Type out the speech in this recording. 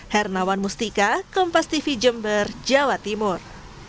hernawan mustika kompas tv jember jawa timur